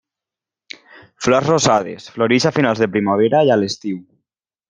Flors rosades, floreix a finals de primavera i a l'estiu.